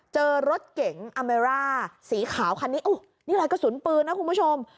เจอรถเก๋งอเมร่าสีขาวคันนี้นี่รอยกระสุนปืนนะคุณผู้ชม